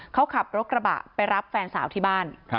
เขาขับรถกระบะไปรับแฟนสาวที่บ้าน